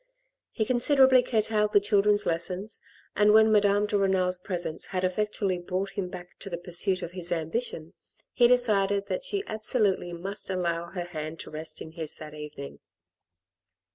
He considerably curtailed the children's lessons, and when Madame de Renal's presence had effectually brought him back to the pursuit of his ambition, he decided that she absolutely must allow her hand to rest in his that evening.